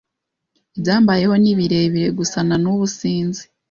Ibyambayeho ni birebire gusa na nubu sinzi